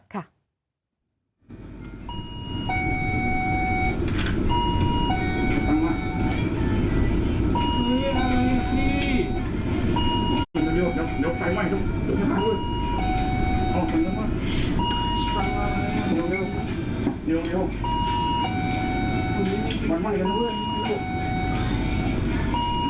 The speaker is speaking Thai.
พามาเร็วมั่น